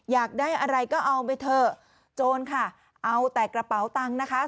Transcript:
อยากได้อะไรก็เอาไปเถอะโจรค่ะเอาแต่กระเป๋าตังค์นะคะ